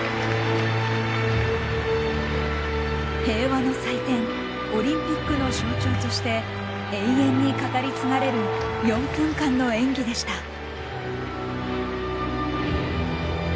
平和の祭典オリンピックの象徴として永遠に語り継がれる４分間の演技でした。